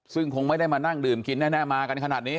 ซึ่งคงไม่ได้มานั่งดื่มกินแน่มากันขนาดนี้